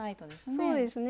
そうですね。